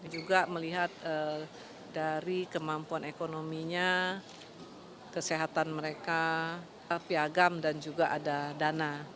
juga melihat dari kemampuan ekonominya kesehatan mereka piagam dan juga ada dana